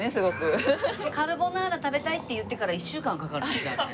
「カルボナーラ食べたい」って言ってから１週間かかるねじゃあね。